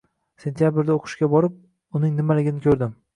Sentyabrda o’qishga borib, uning nimaligini ko’rdim.